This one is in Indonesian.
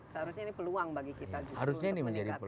seharusnya ini peluang bagi kita justru untuk meningkatkan